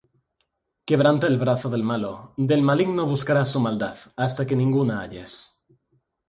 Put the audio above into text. Quebranta el brazo del malo: Del maligno buscarás su maldad, hasta que ninguna halles.